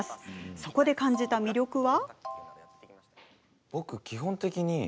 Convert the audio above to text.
そこで感じた魅力は？